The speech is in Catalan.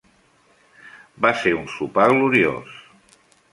Va ser un sopar gloriós.